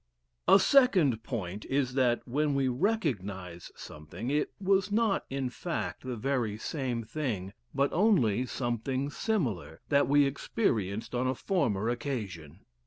A second point is that, when we recognize something, it was not in fact the very same thing, but only something similar, that we experienced on a former occasion.